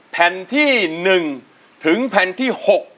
แผ่นที่๑ถึงแผ่นที่๖